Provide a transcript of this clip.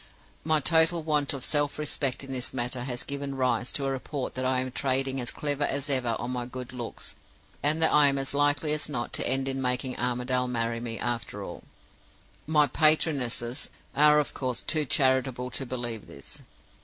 My total want of self respect in this matter has given rise to a report that I am trading as cleverly as ever on my good looks, and that I am as likely as not to end in making Armadale marry me, after all. My 'patronesses' are, of course, too charitable to believe this.